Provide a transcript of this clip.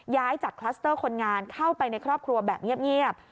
ย้ายจากคลัสเตอร์คนงานเข้าไปในครอบครัวแบบเงียบ